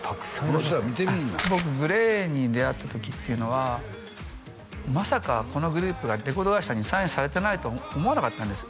この人ら見てみいな僕ＧＬＡＹに出会った時っていうのはまさかこのグループがレコード会社にサインされてないと思わなかったんです